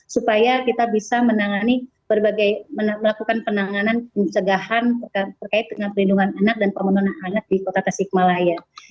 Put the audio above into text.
supaya kita bisa melakukan penanganan pencegahan terkait dengan perlindungan anak dan pemenuhan anak di kota kasih kemalaya